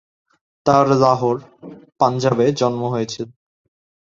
তার লাহোর, পাঞ্জাবে জন্ম হয়েছিল।